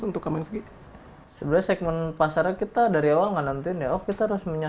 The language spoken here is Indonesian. tunggu keang karenan